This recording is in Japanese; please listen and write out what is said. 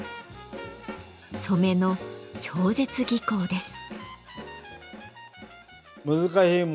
染めの超絶技巧です。